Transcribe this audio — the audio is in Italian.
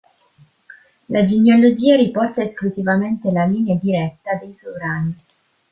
La genealogia riporta esclusivamente la linea diretta dei sovrani.